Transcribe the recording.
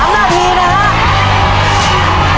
๓นาทีนะครับ